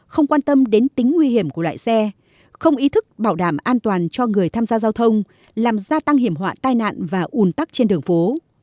không quan tâm đến tính nguy hiểm của loại xe không ý thức bảo đảm an toàn cho người tham gia giao thông làm gia tăng hiểm họa tai nạn và ủn tắc trên đường phố